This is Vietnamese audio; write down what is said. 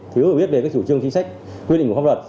thiếu hiểu biết về cái chủ trương chính sách quy định của pháp luật